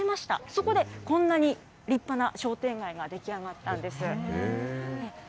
そこでこんなに立派な商店街が出来上がったんです。